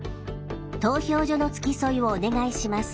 「投票所の付き添いをお願いします」